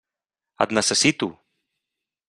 Et necessito!